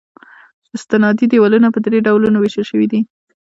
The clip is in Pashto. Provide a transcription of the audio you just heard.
استنادي دیوالونه په درې ډولونو ویشل شوي دي